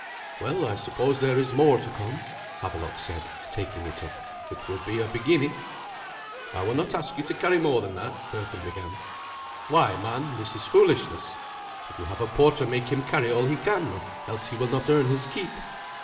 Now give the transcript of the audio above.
"Well, I suppose there is more to come," Havelok said, taking it up; "it will be a beginning." "I will not ask you to carry more than that," Berthun began. "Why, man, this is foolishness. If you have a porter, make him carry all he can, else he will not earn his keep."